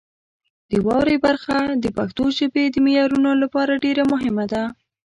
د واورئ برخه د پښتو ژبې د معیارونو لپاره ډېره مهمه ده.